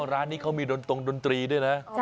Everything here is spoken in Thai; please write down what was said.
ร้านนี้เขามีดนตรงดนตรีด้วยนะ